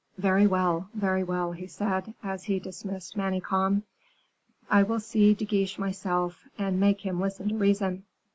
"Very well, very well," he said, as he dismissed Manicamp, "I will see De Guiche myself, and make him listen to reason."